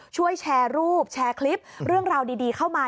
ช่วยแชร์รูปแชร์คลิปเรื่องราวดีเข้ามา